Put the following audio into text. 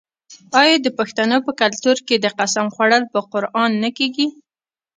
آیا د پښتنو په کلتور کې د قسم خوړل په قران نه کیږي؟